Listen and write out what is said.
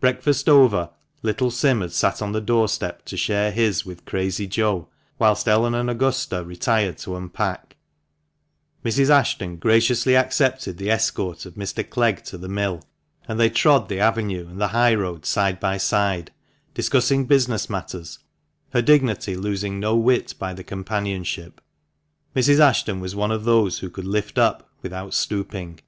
Breakfast over — little Sim had sat on the doorstep to share his with Crazy Joe, whilst Ellen and Augusta retired to unpack — Mrs. Ashton graciously accepted the escort of Mr. Clegg to the THE MANCHESTER MAN. 333 mill, and they trod the avenue and the high road side by side, discussing business matters, her dignity losing no whit by the companionship. Mrs. Ashton was one of those who could lift up without stooping.